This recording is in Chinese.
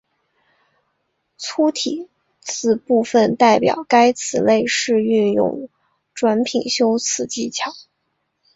粗体字部分代表该词类是运用转品修辞技巧。